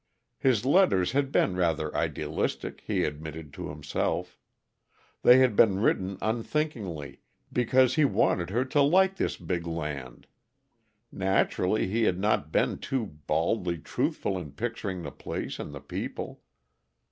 His letters had been rather idealistic, he admitted to himself. They had been written unthinkingly, because he wanted her to like this big land; naturally he had not been too baldly truthful in picturing the place and the people.